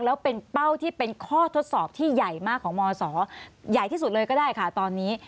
แล้วเป็นเป้าที่เป็นข้อทดสอบที่ใหญ่มากของมศใหญ่ที่สุดเลยก็ได้ค่ะตอนนี้